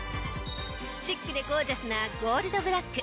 シックでゴージャスなゴールドブラック。